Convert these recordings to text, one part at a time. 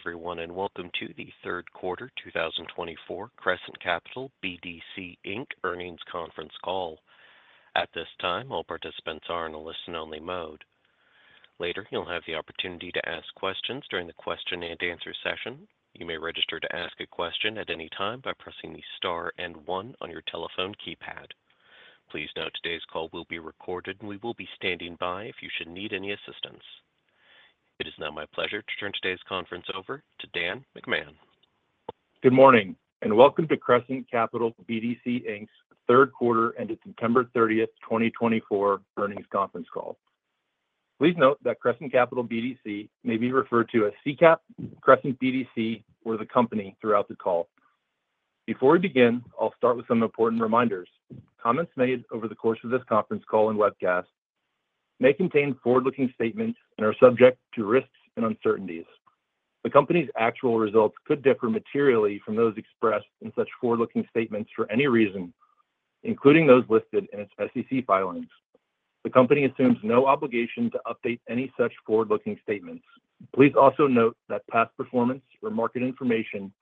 Good day, everyone, and welcome to the third quarter 2024 Crescent Capital BDC, Inc. earnings conference call. At this time, all participants are in a listen-only mode. Later, you'll have the opportunity to ask questions during the question-and-answer session. You may register to ask a question at any time by pressing the star and one on your telephone keypad. Please note, today's call will be recorded, and we will be standing by if you should need any assistance. It is now my pleasure to turn today's conference over to Dan McMahon. Good morning, and welcome to Crescent Capital BDC Inc.'s third quarter ended September 30th, 2024, earnings conference call. Please note that Crescent Capital BDC may be referred to as CCAP, Crescent BDC, or the company throughout the call. Before we begin, I'll start with some important reminders. Comments made over the course of this conference call and webcast may contain forward-looking statements and are subject to risks and uncertainties. The company's actual results could differ materially from those expressed in such forward-looking statements for any reason, including those listed in its SEC filings. The company assumes no obligation to update any such forward-looking statements. Please also note that past performance or market information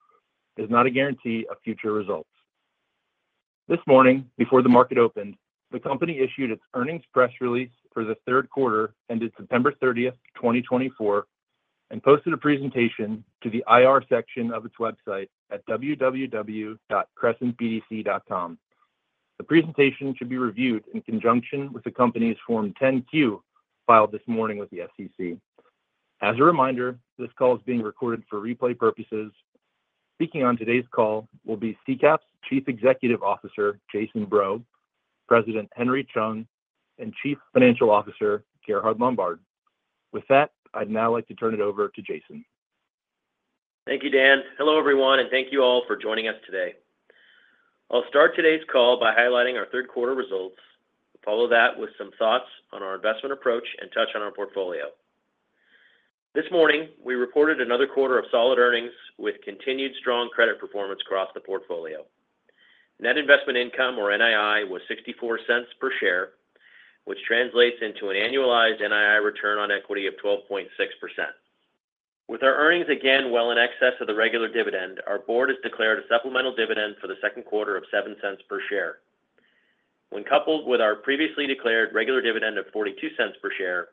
is not a guarantee of future results. This morning, before the market opened, the company issued its earnings press release for the third quarter ended September 30th, 2024, and posted a presentation to the IR section of its website at www.crescentbdc.com. The presentation should be reviewed in conjunction with the company's Form 10-Q filed this morning with the SEC. As a reminder, this call is being recorded for replay purposes. Speaking on today's call will be CCAP's Chief Executive Officer, Jason Breaux, President Henry Chung, and Chief Financial Officer, Gerhard Lombard. With that, I'd now like to turn it over to Jason. Thank you, Dan. Hello, everyone, and thank you all for joining us today. I'll start today's call by highlighting our third quarter results, follow that with some thoughts on our investment approach, and touch on our portfolio. This morning, we reported another quarter of solid earnings with continued strong credit performance across the portfolio. Net investment income, or NII, was $0.64 per share, which translates into an annualized NII return on equity of 12.6%. With our earnings again well in excess of the regular dividend, our board has declared a supplemental dividend for the second quarter of 7 cents per share. When coupled with our previously declared regular dividend of $0.42 per share,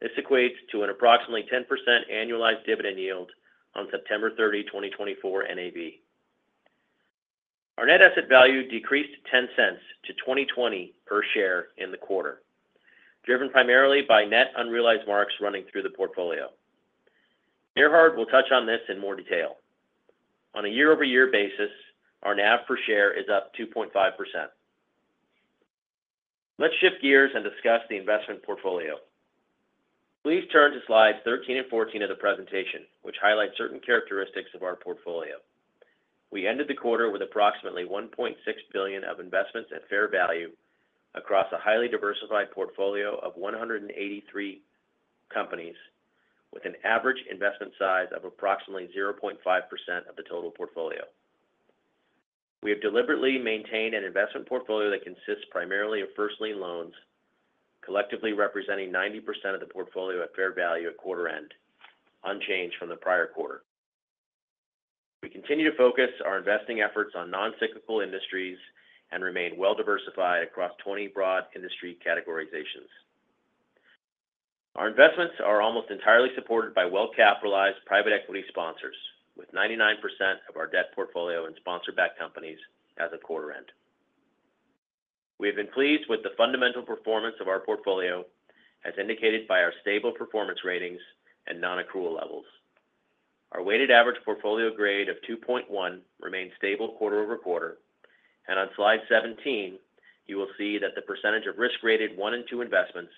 this equates to an approximately 10% annualized dividend yield on September 30, 2024, NAV. Our net asset value decreased $0.10 to $20.20 per share in the quarter, driven primarily by net unrealized marks running through the portfolio. Gerhard will touch on this in more detail. On a year-over-year basis, our NAV per share is up 2.5%. Let's shift gears and discuss the investment portfolio. Please turn to slides 13 and 14 of the presentation, which highlight certain characteristics of our portfolio. We ended the quarter with approximately $1.6 billion of investments at fair value across a highly diversified portfolio of 183 companies, with an average investment size of approximately 0.5% of the total portfolio. We have deliberately maintained an investment portfolio that consists primarily of first-lien loans, collectively representing 90% of the portfolio at fair value at quarter end, unchanged from the prior quarter. We continue to focus our investing efforts on non-cyclical industries and remain well-diversified across 20 broad industry categorizations. Our investments are almost entirely supported by well-capitalized private equity sponsors, with 99% of our debt portfolio in sponsor-backed companies as of quarter end. We have been pleased with the fundamental performance of our portfolio, as indicated by our stable performance ratings and non-accrual levels. Our weighted average portfolio grade of 2.1 remains stable quarter-over-quarter, and on slide 17, you will see that the percentage of risk-rated one and two investments,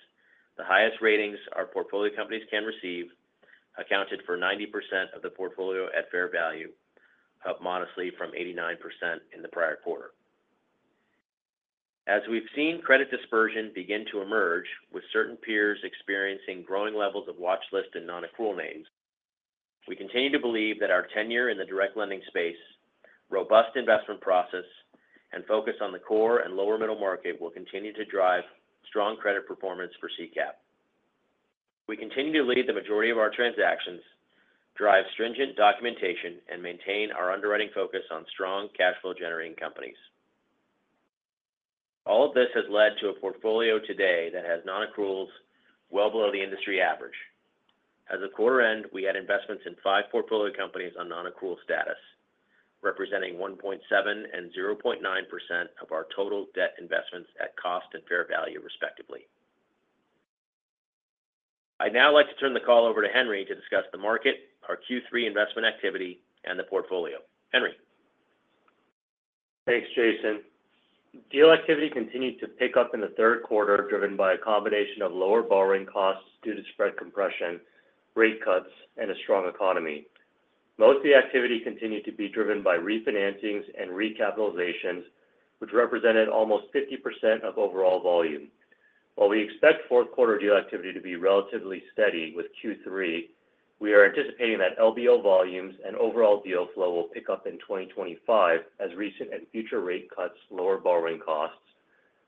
the highest ratings our portfolio companies can receive, accounted for 90% of the portfolio at fair value, up modestly from 89% in the prior quarter. As we've seen credit dispersion begin to emerge, with certain peers experiencing growing levels of watchlist and non-accrual names, we continue to believe that our tenure in the direct lending space, robust investment process, and focus on the core and lower middle market will continue to drive strong credit performance for CCAP. We continue to lead the majority of our transactions, drive stringent documentation, and maintain our underwriting focus on strong cash flow-generating companies. All of this has led to a portfolio today that has non-accruals well below the industry average. As of quarter end, we had investments in five portfolio companies on non-accrual status, representing 1.7% and 0.9% of our total debt investments at cost and fair value, respectively. I'd now like to turn the call over to Henry to discuss the market, our Q3 investment activity, and the portfolio. Henry. Thanks, Jason. Deal activity continued to pick up in the third quarter, driven by a combination of lower borrowing costs due to spread compression, rate cuts, and a strong economy. Most of the activity continued to be driven by refinancings and recapitalizations, which represented almost 50% of overall volume. While we expect fourth-quarter deal activity to be relatively steady with Q3, we are anticipating that LBO volumes and overall deal flow will pick up in 2025 as recent and future rate cuts lower borrowing costs,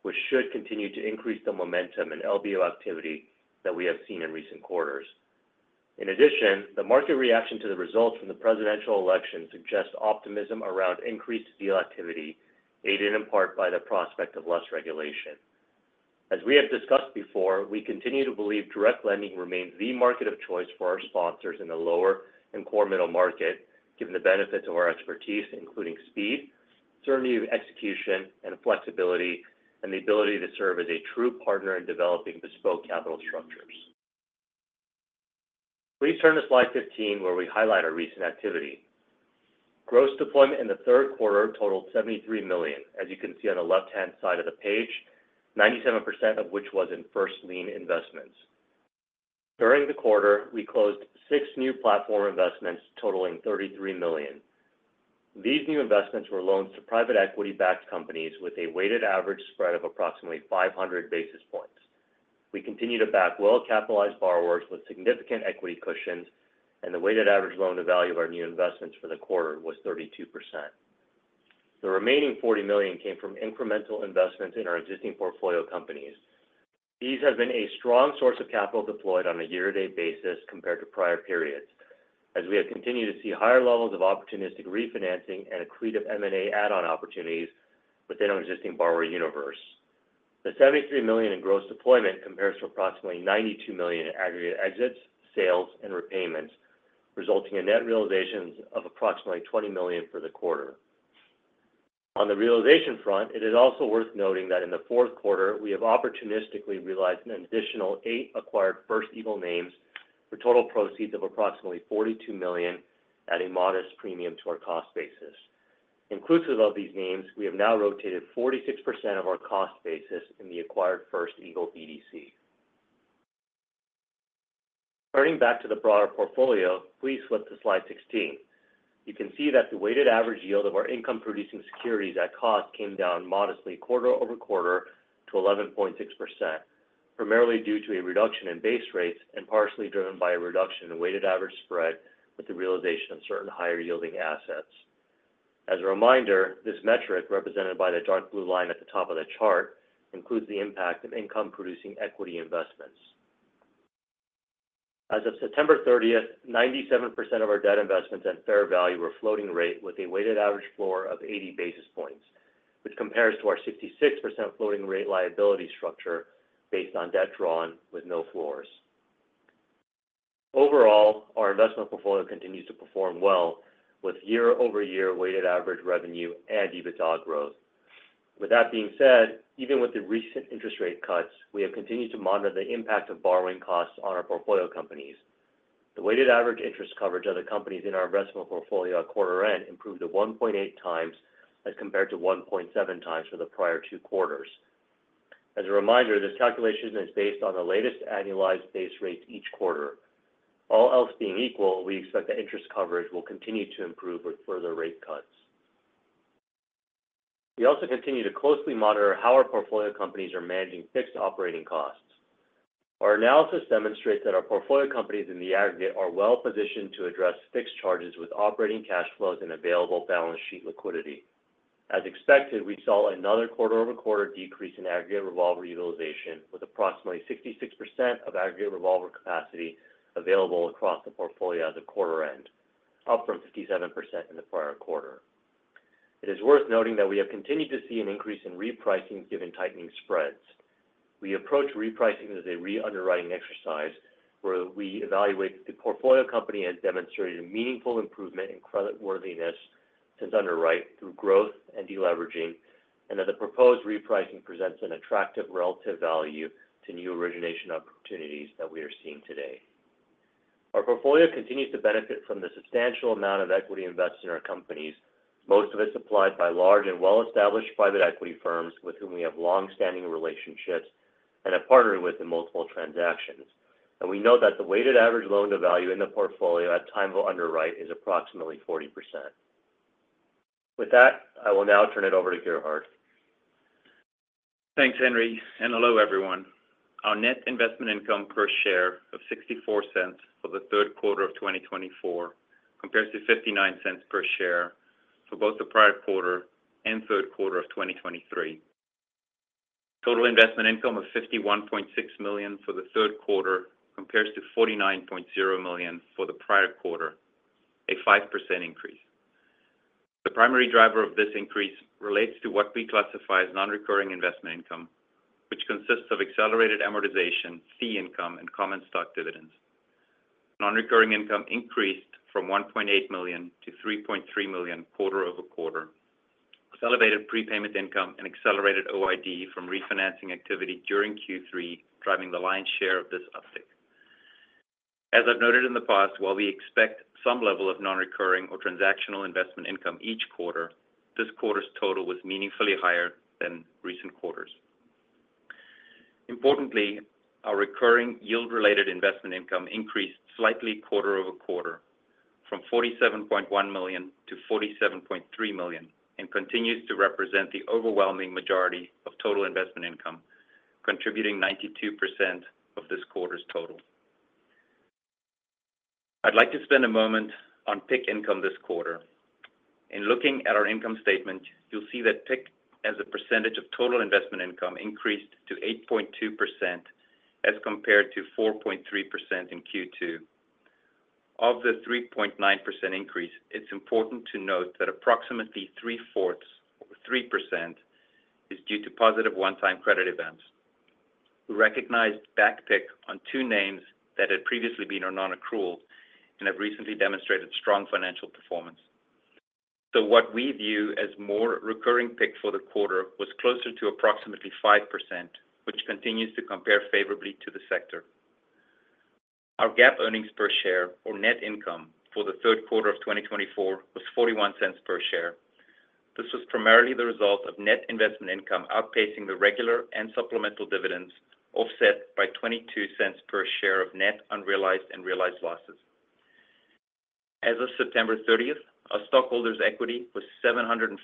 which should continue to increase the momentum in LBO activity that we have seen in recent quarters. In addition, the market reaction to the results from the presidential election suggests optimism around increased deal activity, aided in part by the prospect of less regulation. As we have discussed before, we continue to believe direct lending remains the market of choice for our sponsors in the lower and core middle market, given the benefits of our expertise, including speed, certainty of execution, and flexibility, and the ability to serve as a true partner in developing bespoke capital structures. Please turn to slide 15, where we highlight our recent activity. Gross deployment in the third quarter totaled $73 million, as you can see on the left-hand side of the page, 97% of which was in first-lien investments. During the quarter, we closed six new platform investments totaling $33 million. These new investments were loans to private equity-backed companies with a weighted average spread of approximately 500 basis points. We continue to back well-capitalized borrowers with significant equity cushions, and the weighted average loan-to-value of our new investments for the quarter was 32%. The remaining $40 million came from incremental investments in our existing portfolio companies. These have been a strong source of capital deployed on a year-to-date basis compared to prior periods, as we have continued to see higher levels of opportunistic refinancing and a fleet of M&A add-on opportunities within our existing borrower universe. The $73 million in gross deployment compares to approximately $92 million in aggregate exits, sales, and repayments, resulting in net realizations of approximately $20 million for the quarter. On the realization front, it is also worth noting that in the fourth quarter, we have opportunistically realized an additional eight acquired First Eagle names for total proceeds of approximately $42 million, adding modest premium to our cost basis. Inclusive of these names, we have now rotated 46% of our cost basis in the acquired First Eagle BDC. Turning back to the broader portfolio, please flip to slide 16. You can see that the weighted average yield of our income-producing securities at cost came down modestly quarter-over-quarter to 11.6%, primarily due to a reduction in base rates and partially driven by a reduction in weighted average spread with the realization of certain higher-yielding assets. As a reminder, this metric, represented by the dark blue line at the top of the chart, includes the impact of income-producing equity investments. As of September 30th, 97% of our debt investments at fair value were floating rate with a weighted average floor of 80 basis points, which compares to our 66% floating rate liability structure based on debt drawn with no floors. Overall, our investment portfolio continues to perform well, with year-over-year weighted average revenue and EBITDA growth. With that being said, even with the recent interest rate cuts, we have continued to monitor the impact of borrowing costs on our portfolio companies. The weighted average interest coverage of the companies in our investment portfolio at quarter end improved to 1.8 times as compared to 1.7 times for the prior two quarters. As a reminder, this calculation is based on the latest annualized base rates each quarter. All else being equal, we expect that interest coverage will continue to improve with further rate cuts. We also continue to closely monitor how our portfolio companies are managing fixed operating costs. Our analysis demonstrates that our portfolio companies in the aggregate are well-positioned to address fixed charges with operating cash flows and available balance sheet liquidity. As expected, we saw another quarter-over-quarter decrease in aggregate revolver utilization, with approximately 66% of aggregate revolver capacity available across the portfolio at the quarter end, up from 57% in the prior quarter. It is worth noting that we have continued to see an increase in repricing given tightening spreads. We approach repricing as a re-underwriting exercise where we evaluate that the portfolio company has demonstrated a meaningful improvement in creditworthiness since underwrite through growth and deleveraging, and that the proposed repricing presents an attractive relative value to new origination opportunities that we are seeing today. Our portfolio continues to benefit from the substantial amount of equity invested in our companies, most of it supplied by large and well-established private equity firms with whom we have long-standing relationships and have partnered with in multiple transactions. And we note that the weighted average loan-to-value in the portfolio at time of underwrite is approximately 40%. With that, I will now turn it over to Gerhard. Thanks, Henry. And hello, everyone. Our net investment income per share of $0.64 for the third quarter of 2024 compares to $0.59 per share for both the prior quarter and third quarter of 2023. Total investment income of $51.6 million for the third quarter compares to $49.0 million for the prior quarter, a 5% increase. The primary driver of this increase relates to what we classify as non-recurring investment income, which consists of accelerated amortization, fee income, and common stock dividends. Non-recurring income increased from $1.8 million to $3.3 million quarter-over-quarter, with elevated prepayment income and accelerated OID from refinancing activity during Q3 driving the lion's share of this uptick. As I've noted in the past, while we expect some level of non-recurring or transactional investment income each quarter, this quarter's total was meaningfully higher than recent quarters. Importantly, our recurring yield-related investment income increased slightly quarter-over-quarter from $47.1 million to $47.3 million and continues to represent the overwhelming majority of total investment income, contributing 92% of this quarter's total. I'd like to spend a moment on PIK income this quarter. In looking at our income statement, you'll see that PIK, as a percentage of total investment income, increased to 8.2% as compared to 4.3% in Q2. Of the 3.9% increase, it's important to note that approximately three-fourths, or 3%, is due to positive one-time credit events. We recognized back PIK on two names that had previously been on non-accrual and have recently demonstrated strong financial performance. What we view as more recurring PIK for the quarter was closer to approximately 5%, which continues to compare favorably to the sector. Our GAAP earnings per share, or net income for the third quarter of 2024, was $0.41 per share. This was primarily the result of net investment income outpacing the regular and supplemental dividends, offset by $0.22 per share of net unrealized and realized losses. As of September 30th, our stockholders' equity was $749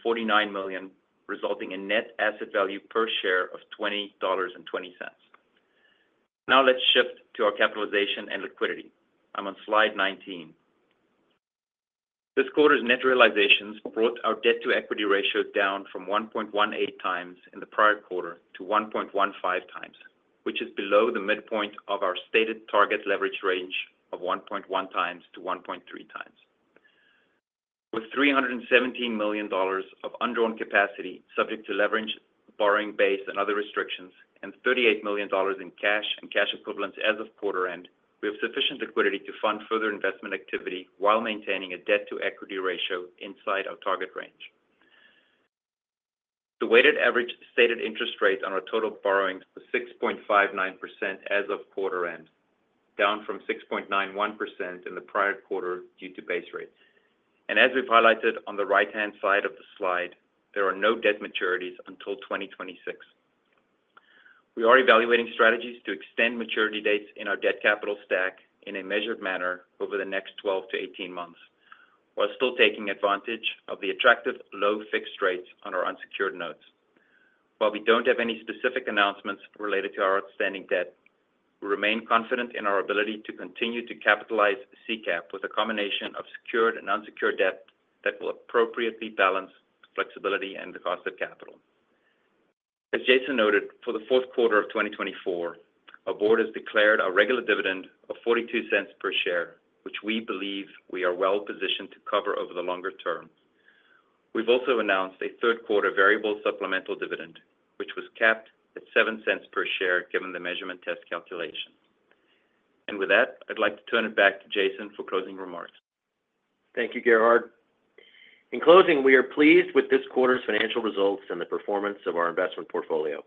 million, resulting in net asset value per share of $20.20. Now let's shift to our capitalization and liquidity. I'm on slide 19. This quarter's net realizations brought our debt-to-equity ratios down from 1.18 times in the prior quarter to 1.15 times, which is below the midpoint of our stated target leverage range of 1.1-1.3 times. With $317 million of undrawn capacity subject to leverage, borrowing base, and other restrictions, and $38 million in cash and cash equivalents as of quarter end, we have sufficient liquidity to fund further investment activity while maintaining a debt-to-equity ratio inside our target range. The weighted average stated interest rate on our total borrowing was 6.59% as of quarter end, down from 6.91% in the prior quarter due to base rate, and as we've highlighted on the right-hand side of the slide, there are no debt maturities until 2026. We are evaluating strategies to extend maturity dates in our debt capital stack in a measured manner over the next 12 to 18 months, while still taking advantage of the attractive low fixed rates on our unsecured notes. While we don't have any specific announcements related to our outstanding debt, we remain confident in our ability to continue to capitalize CCAP with a combination of secured and unsecured debt that will appropriately balance flexibility and the cost of capital. As Jason noted, for the fourth quarter of 2024, our board has declared a regular dividend of $0.42 per share, which we believe we are well-positioned to cover over the longer term. We've also announced a third-quarter variable supplemental dividend, which was capped at $0.07 per share given the measurement test calculation. And with that, I'd like to turn it back to Jason for closing remarks. Thank you, Gerhard. In closing, we are pleased with this quarter's financial results and the performance of our investment portfolio.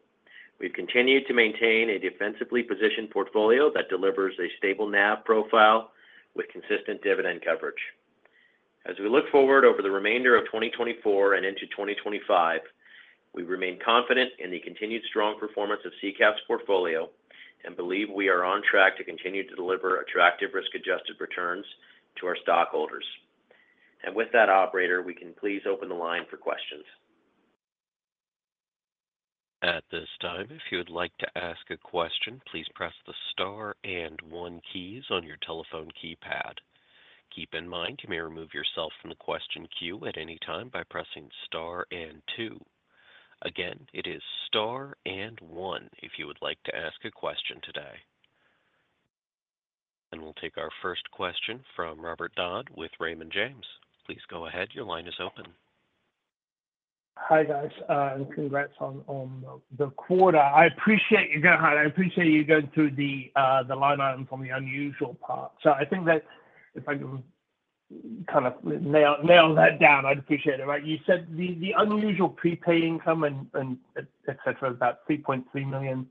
We've continued to maintain a defensively positioned portfolio that delivers a stable NAV profile with consistent dividend coverage. As we look forward over the remainder of 2024 and into 2025, we remain confident in the continued strong performance of CCAP's portfolio and believe we are on track to continue to deliver attractive risk-adjusted returns to our stockholders. And with that, Operator, we can please open the line for questions. At this time, if you would like to ask a question, please press the star and one keys on your telephone keypad. Keep in mind you may remove yourself from the question queue at any time by pressing star and two. Again, it is star and one if you would like to ask a question today. And we'll take our first question from Robert Dodd with Raymond James. Please go ahead. Your line is open. Hi, guys, and congrats on the quarter. I appreciate you going ahead. I appreciate you going through the line items on the unusual part, so I think that if I can kind of nail that down, I'd appreciate it. Right? You said the unusual prepay income and etc., about $3.3 million,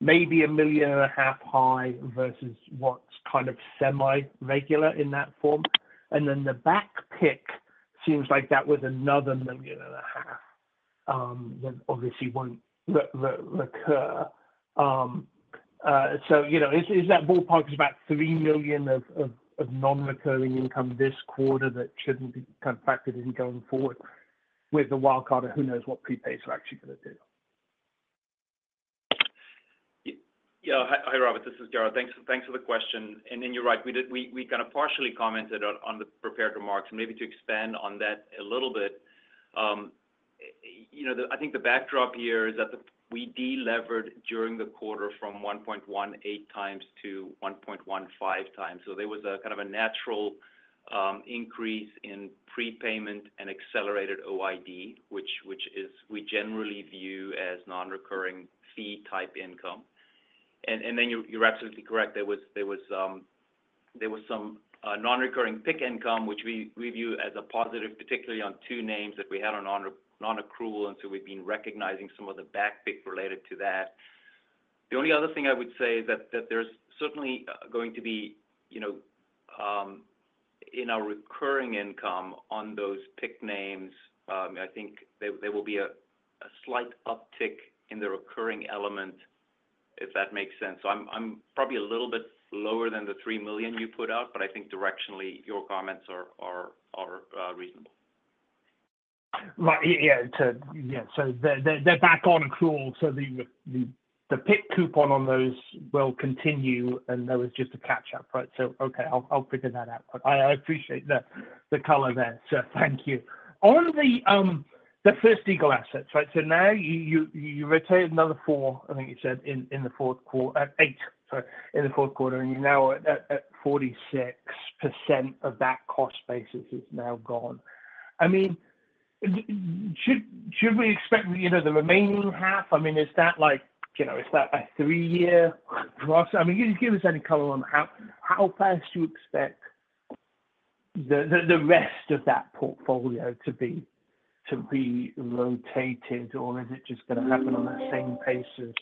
maybe $1.5 million high versus what's kind of semi-regular in that form, and then the back PIK seems like that was another $1.5 million that obviously won't recur, so is that ballpark about $3 million of non-recurring income this quarter that shouldn't be kind of factored in going forward with the wildcard of who knows what prepays we're actually going to do? Yeah. Hi, Robert. This is Gerhard. Thanks for the question. And then you're right. We kind of partially commented on the prepared remarks. Maybe to expand on that a little bit, I think the backdrop here is that we delevered during the quarter from 1.18 times to 1.15 times. So there was a kind of a natural increase in prepayment and accelerated OID, which we generally view as non-recurring fee-type income. And then you're absolutely correct. There was some non-recurring PIK income, which we view as a positive, particularly on two names that we had on non-accrual. And so we've been recognizing some of the back PIK related to that. The only other thing I would say is that there's certainly going to be in our recurring income on those PIK names, I think there will be a slight uptick in the recurring element, if that makes sense. I'm probably a little bit lower than the three million you put out, but I think directionally your comments are reasonable. Yeah. So they're back on accrual. So the PIK coupon on those will continue, and that was just a catch-up, right? So okay, I'll figure that out. I appreciate the color there. So thank you. On the First Eagle assets, right? So now you retained another four, I think you said, in the fourth quarter, eight, sorry, in the fourth quarter, and you're now at 46% of that cost basis is now gone. I mean, should we expect the remaining half? I mean, is that like a three-year process? I mean, give us any color on how fast you expect the rest of that portfolio to be relocated, or is it just going to happen on that same basis?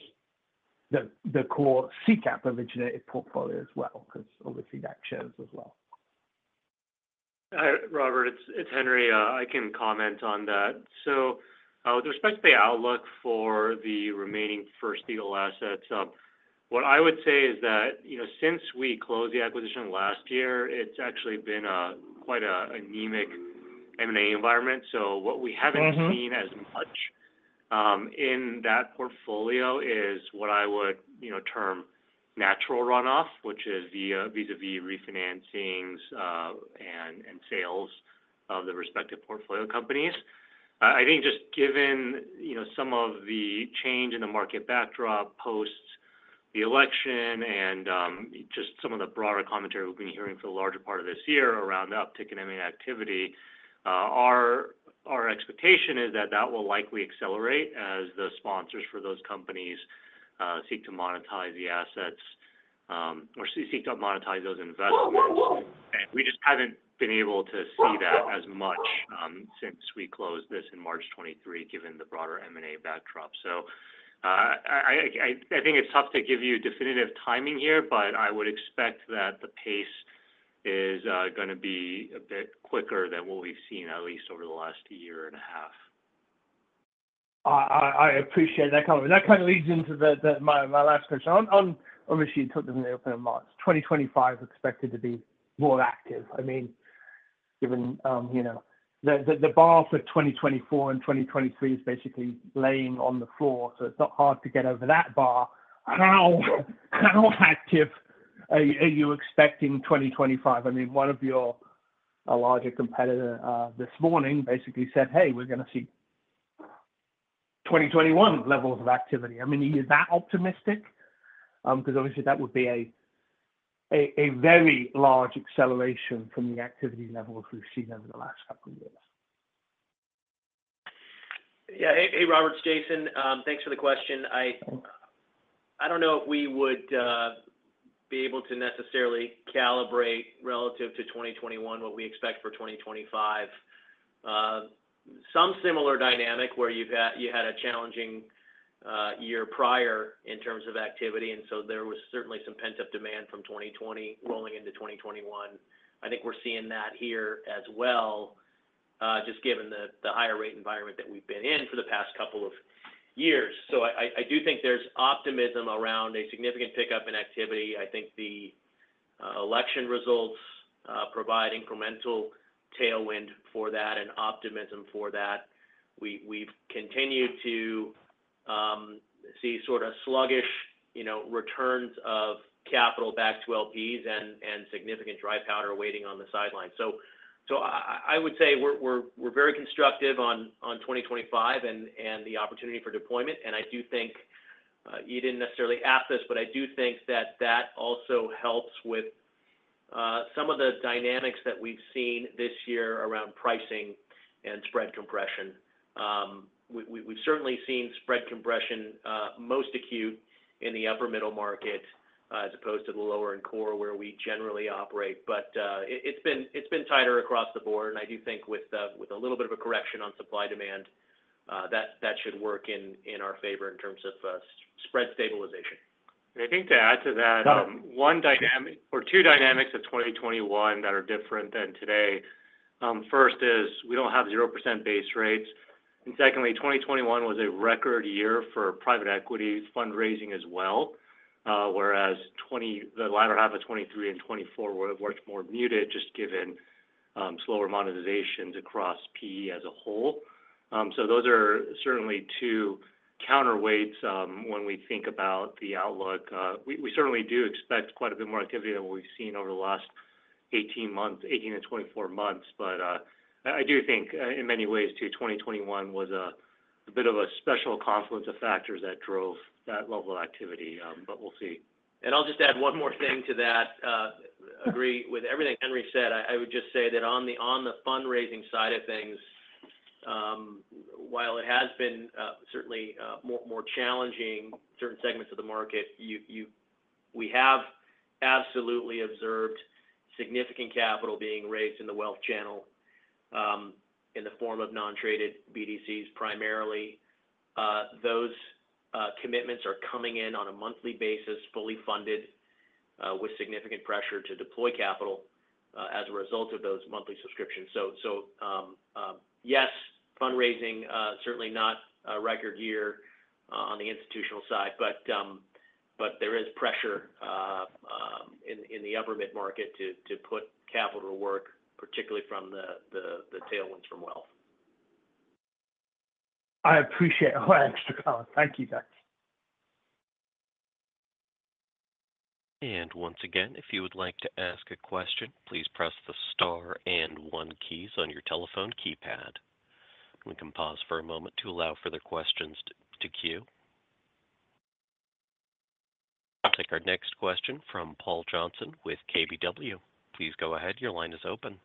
The core CCAP originated portfolio as well, because obviously that shares as well. Hi, Robert. It's Henry. I can comment on that. So with respect to the outlook for the remaining First Eagle assets, what I would say is that since we closed the acquisition last year, it's actually been quite an anemic M&A environment. So what we haven't seen as much in that portfolio is what I would term natural runoff, which is vis-à-vis refinancings and sales of the respective portfolio companies. I think just given some of the change in the market backdrop post the election and just some of the broader commentary we've been hearing for the larger part of this year around the uptick in M&A activity, our expectation is that that will likely accelerate as the sponsors for those companies seek to monetize the assets or seek to monetize those investments. We just haven't been able to see that as much since we closed this in March 2023, given the broader M&A backdrop. I think it's tough to give you definitive timing here, but I would expect that the pace is going to be a bit quicker than what we've seen, at least over the last year and a half. I appreciate that comment. That kind of leads into my last question. Obviously, you took them in the open in March. 2025 is expected to be more active. I mean, given the bar for 2024 and 2023 is basically laying on the floor, so it's not hard to get over that bar. How active are you expecting 2025? I mean, one of your larger competitors this morning basically said, "Hey, we're going to see 2021 levels of activity." I mean, are you that optimistic? Because obviously that would be a very large acceleration from the activity levels we've seen over the last couple of years. Yeah. Hey, Robert, Jason. Thanks for the question. I don't know if we would be able to necessarily calibrate relative to 2021 what we expect for 2025. Some similar dynamic where you had a challenging year prior in terms of activity, and so there was certainly some pent-up demand from 2020 rolling into 2021. I think we're seeing that here as well, just given the higher rate environment that we've been in for the past couple of years. So I do think there's optimism around a significant pickup in activity. I think the election results provide incremental tailwind for that and optimism for that. We've continued to see sort of sluggish returns of capital back to LPs and significant dry powder waiting on the sidelines. So I would say we're very constructive on 2025 and the opportunity for deployment. And I do think you didn't necessarily ask this, but I do think that that also helps with some of the dynamics that we've seen this year around pricing and spread compression. We've certainly seen spread compression most acute in the upper middle market as opposed to the lower and core where we generally operate. But it's been tighter across the board. And I do think with a little bit of a correction on supply demand, that should work in our favor in terms of spread stabilization. I think to add to that, one dynamic or two dynamics of 2021 that are different than today. First is we don't have 0% base rates. And secondly, 2021 was a record year for private equity fundraising as well, whereas the latter half of 2023 and 2024 were much more muted just given slower monetizations across PE as a whole. So those are certainly two counterweights when we think about the outlook. We certainly do expect quite a bit more activity than what we've seen over the last 18 months, 18 to 24 months. But I do think in many ways too, 2021 was a bit of a special confluence of factors that drove that level of activity, but we'll see. And I'll just add one more thing to that. Agree with everything Henry said. I would just say that on the fundraising side of things, while it has been certainly more challenging certain segments of the market, we have absolutely observed significant capital being raised in the wealth channel in the form of non-traded BDCs primarily. Those commitments are coming in on a monthly basis, fully funded with significant pressure to deploy capital as a result of those monthly subscriptions. So yes, fundraising, certainly not a record year on the institutional side, but there is pressure in the upper mid-market to put capital to work, particularly from the tailwinds from wealth. I appreciate all the extra comments. Thank you, guys. Once again, if you would like to ask a question, please press the star and one keys on your telephone keypad. We can pause for a moment to allow for the questions to queue. Take our next question from Paul Johnson with KBW. Please go ahead. Your line is open.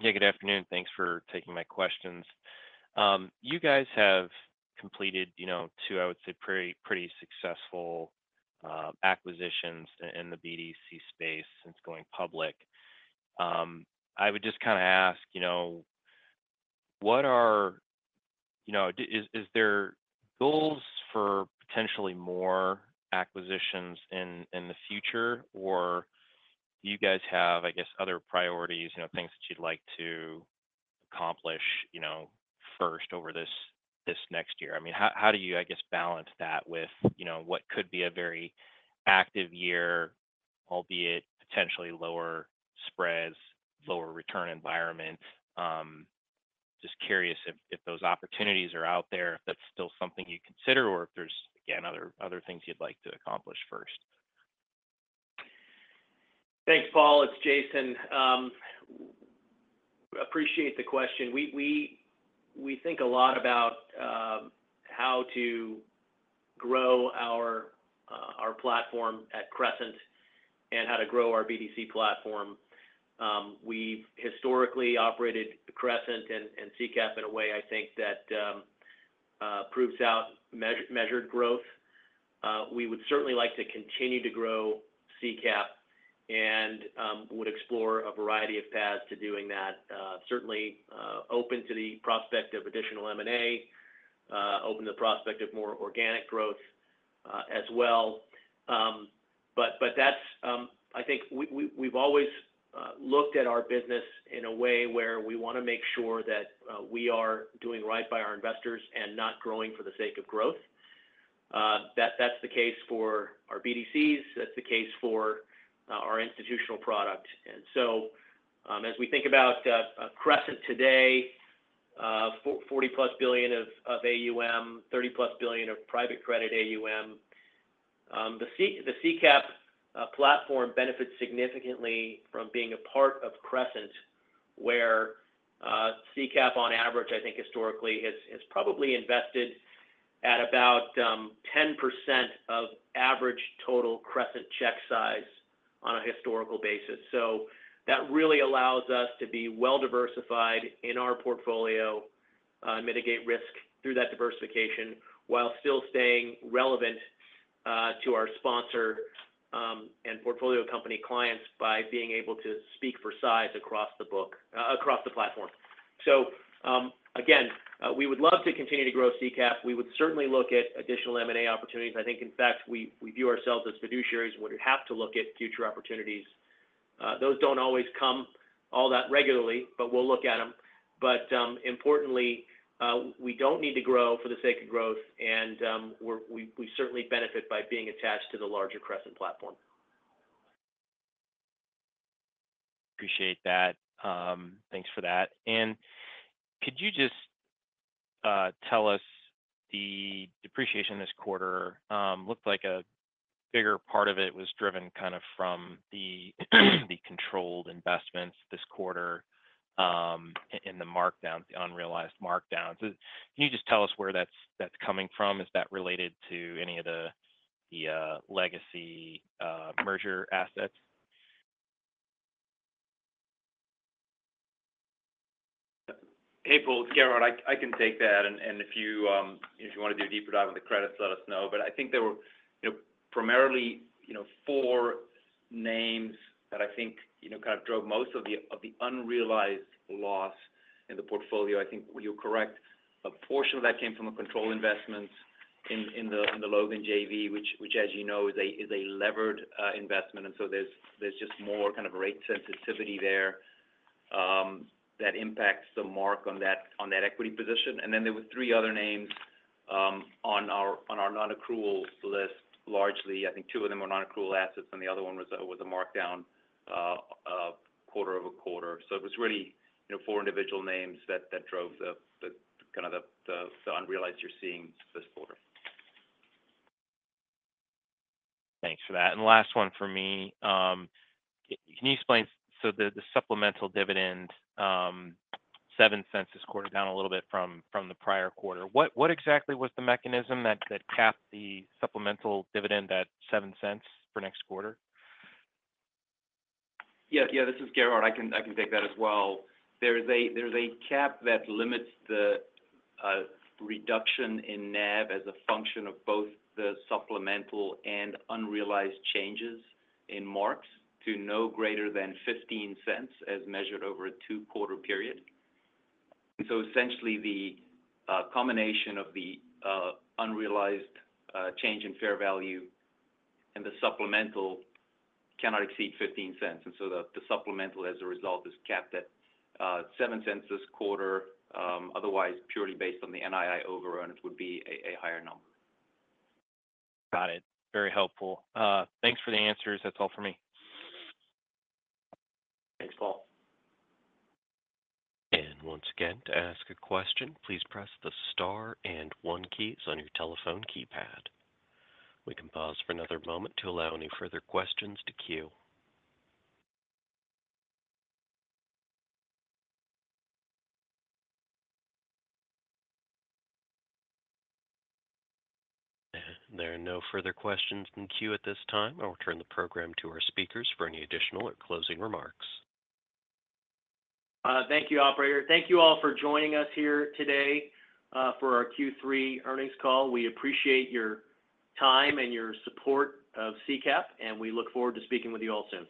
Yeah, good afternoon. Thanks for taking my questions. You guys have completed two, I would say, pretty successful acquisitions in the BDC space since going public. I would just kind of ask, what are your goals for potentially more acquisitions in the future, or do you guys have, I guess, other priorities, things that you'd like to accomplish first over this next year? I mean, how do you, I guess, balance that with what could be a very active year, albeit potentially lower spreads, lower return environment? Just curious if those opportunities are out there, if that's still something you consider, or if there's, again, other things you'd like to accomplish first. Thanks, Paul. It's Jason. Appreciate the question. We think a lot about how to grow our platform at Crescent and how to grow our BDC platform. We've historically operated Crescent and CCAP in a way I think that proves out measured growth. We would certainly like to continue to grow CCAP and would explore a variety of paths to doing that. Certainly open to the prospect of additional M&A, open to the prospect of more organic growth as well. But I think we've always looked at our business in a way where we want to make sure that we are doing right by our investors and not growing for the sake of growth. That's the case for our BDCs. That's the case for our institutional product. And so as we think about Crescent today, 40-plus billion of AUM, 30-plus billion of private credit AUM, the CCAP platform benefits significantly from being a part of Crescent, where CCAP, on average, I think historically has probably invested at about 10% of average total Crescent check size on a historical basis. So that really allows us to be well-diversified in our portfolio and mitigate risk through that diversification while still staying relevant to our sponsor and portfolio company clients by being able to speak for size across the platform. So again, we would love to continue to grow CCAP. We would certainly look at additional M&A opportunities. I think, in fact, we view ourselves as fiduciaries and would have to look at future opportunities. Those don't always come all that regularly, but we'll look at them. But importantly, we don't need to grow for the sake of growth, and we certainly benefit by being attached to the larger Crescent platform. Appreciate that. Thanks for that. And could you just tell us the depreciation this quarter looked like a bigger part of it was driven kind of from the controlled investments this quarter and the markdowns, the unrealized markdowns. Can you just tell us where that's coming from? Is that related to any of the legacy merger assets? Hey, Paul, it's Gerhard. I can take that, and if you want to do a deeper dive on the credits, let us know, but I think there were primarily four names that I think kind of drove most of the unrealized loss in the portfolio. I think you're correct. A portion of that came from the controlled investments in the Logan JV, which, as you know, is a levered investment, and so there's just more kind of rate sensitivity there that impacts the mark on that equity position, and then there were three other names on our non-accrual list, largely. I think two of them were non-accrual assets, and the other one was a markdown quarter-over-quarter, so it was really four individual names that drove kind of the unrealized loss you're seeing this quarter. Thanks for that. And last one for me. Can you explain? So the supplemental dividend, $0.07 this quarter, down a little bit from the prior quarter. What exactly was the mechanism that capped the supplemental dividend at $0.07 for next quarter? Yeah, this is Gerhard. I can take that as well. There's a cap that limits the reduction in NAV as a function of both the supplemental and unrealized changes in marks to no greater than $0.15 as measured over a two-quarter period. So essentially, the combination of the unrealized change in fair value and the supplemental cannot exceed $0.15. And so the supplemental, as a result, is capped at $0.07 this quarter. Otherwise, purely based on the NII overrun, it would be a higher number. Got it. Very helpful. Thanks for the answers. That's all for me. Thanks, Paul. And once again, to ask a question, please press the star and one keys on your telephone keypad. We can pause for another moment to allow any further questions to queue. And there are no further questions in queue at this time. I'll return the program to our speakers for any additional or closing remarks. Thank you, operator. Thank you all for joining us here today for our Q3 earnings call. We appreciate your time and your support of CCAP, and we look forward to speaking with you all soon.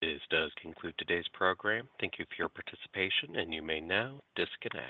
This does conclude today's program. Thank you for your participation, and you may now disconnect.